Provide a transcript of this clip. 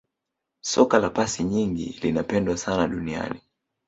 soka la pasi nyingi linapendwa sana duniani